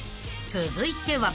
［続いては］